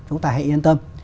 chúng ta hãy yên tâm